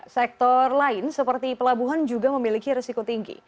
sektor lain seperti pelabuhan juga memiliki resiko tinggi